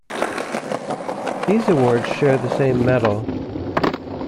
These awards share the same medal.